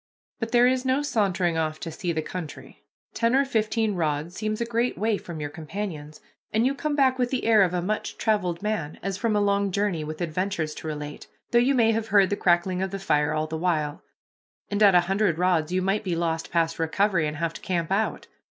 But there is no sauntering off to see the country. Ten or fifteen rods seems a great way from your companions, and you come back with the air of a much traveled man, as from a long journey, with adventures to relate, though you may have heard the crackling of the fire all the while and at a hundred rods you might be lost past recovery and have to camp out.